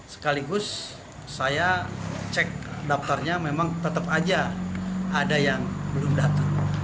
sekaligus saya cek daftarnya memang tetap aja ada yang belum datang